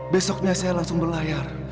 besoknya saya langsung berlayar